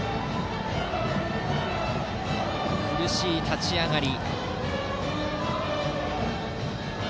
苦しい立ち上がり。